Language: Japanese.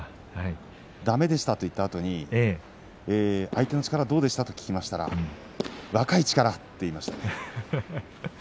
だめでしたと言ったあとに相手の力はどうでした？と聞きましたら若い力、と言いました。